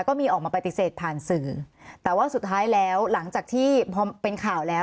ก็มีออกมาปฏิเสธผ่านสื่อแต่ว่าสุดท้ายแล้วหลังจากที่พอเป็นข่าวแล้ว